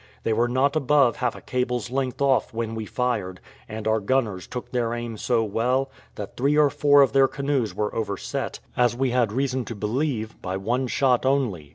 They were not above half a cable's length off when we fired; and our gunners took their aim so well, that three or four of their canoes were overset, as we had reason to believe, by one shot only.